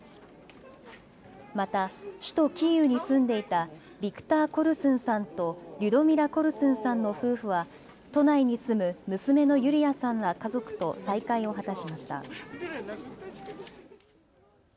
また首都キーウに住んでいたビクター・コルスンさんとリュドミラ・コルスンさんの夫婦は都内に住む娘のユリヤさんら家族と再会を果たしました。